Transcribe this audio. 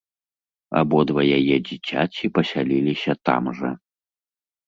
Абодва яе дзіцяці пасяліліся там жа.